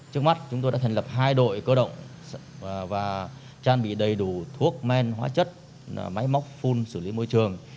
trước mắt chúng tôi đã thành lập hai đội cơ động và trang bị đầy đủ thuốc men hóa chất máy móc phun xử lý môi trường